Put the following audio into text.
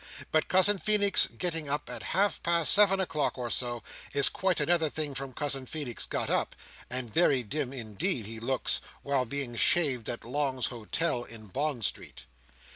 But Cousin Feenix, getting up at half past seven o'clock or so, is quite another thing from Cousin Feenix got up; and very dim, indeed, he looks, while being shaved at Long's Hotel, in Bond Street.